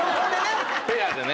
ペアでね。